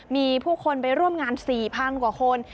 มีผู้คนไปร่วมงาน๔๐๐๐กว่าคน